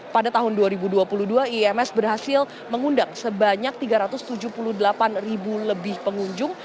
pada tahun dua ribu dua puluh dua ims berhasil mengundang sebanyak tiga ratus tujuh puluh delapan ribu lebih pengunjung